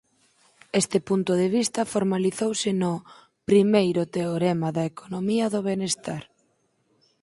Este punto de vista formalizouse no "Primeiro Teorema da Economía do Benestar".